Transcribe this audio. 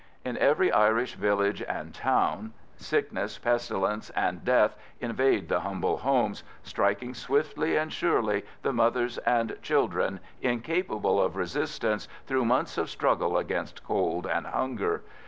In every Irish village and town sickness, pestilence, and death invade the humble homes, striking swiftly and surely the mothers and children incapable of resistance through months of struggle against cold and hunger....